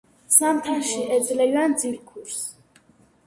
ზამთარში ეძლევიან ძილქუშს.